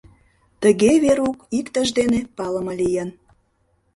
Тыге Верук иктыж дене палыме лийын.